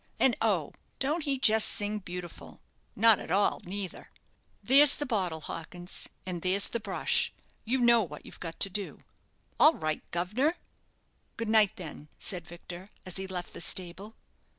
And, oh! don't he just sing beautiful not at all neither." "There's the bottle, Hawkins, and there's the brush. You know what you've got to do." "All right, guv'nor." "Good night, then," said Victor, as he left the stable.